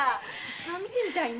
一度見てみたいな。